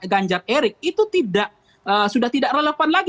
ganjar erik itu sudah tidak relevan lagi